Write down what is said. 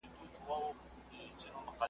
چي وهل یې د سیند غاړي ته زورونه .